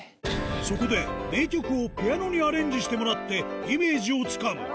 そこで、名曲をピアノにアレンジしてもらって、イメージをつかむ。